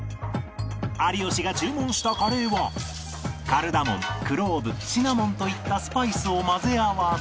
有吉が注文したカレーはカルダモンクローブシナモンといったスパイスを混ぜ合わせ